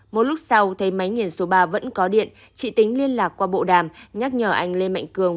một lúc sau thấy máy nghiền số ba vẫn có điện chị tính liên lạc qua bộ đàm nhắc nhở anh lê mạnh cường